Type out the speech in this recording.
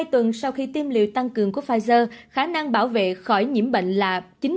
hai tuần sau khi tiêm liệu tăng cường của pfizer khả năng bảo vệ khỏi nhiễm bệnh là chín mươi ba một